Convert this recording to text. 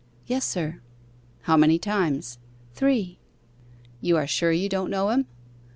'Yes, sir.' 'How many times?' 'Three.' 'You are sure you don't know him?